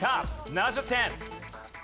７０点！